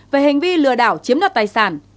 về hành vi lừa đảo chiếm đoạt tài sản